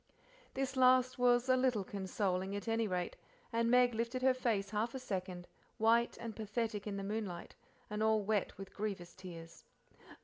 This last was a little consoling, at any rate, and Meg lifted her face half a second, white and pathetic in the moonlight, and all wet with grievous tears.